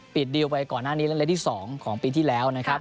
ปิดดิลไปก่อนหน้านี้แล้วและหลายสิบสองของปีที่แล้ว